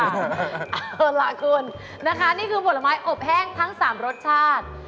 เอาล่ะคุณนะคะนี่คือผลไม้อบแห้งทั้ง๓รสชาติ